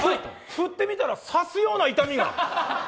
振ってみたら刺すような痛みが。